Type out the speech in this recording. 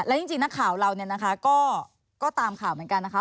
แล้วจริงนักข่าวเราเนี่ยนะคะก็ตามข่าวเหมือนกันนะคะ